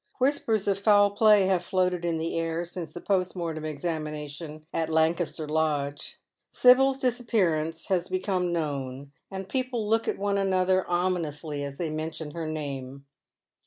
Whispers of foul play have floated in the air since the post mortem exami nation at Lancaster Lodge. Sibyl's disappearance has become known, and people look at one another ominously as they mention her name.